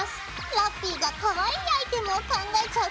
ラッピィがかわいいアイテムを考えちゃうからね。